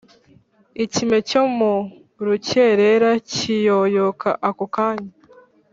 ikime cyo mu rukerera kiyoyoka ako kanya,